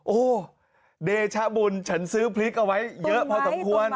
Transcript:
โอ้เดชบุญฉันซื้อพริกเอาไว้เยอะพอสมควร